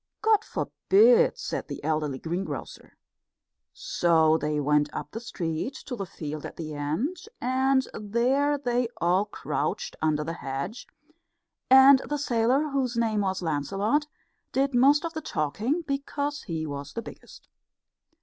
"God forbid!" said the elderly greengrocer. So they went up the street to the field at the end, and there they all crouched under the hedge; and the sailor, whose name was Lancelot, did most of the talking, because he was the biggest.